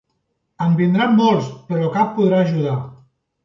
En vindran molts, però cap podrà ajudar.